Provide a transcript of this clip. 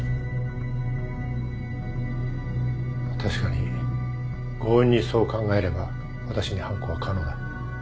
まあ確かに強引にそう考えれば私に犯行は可能だ。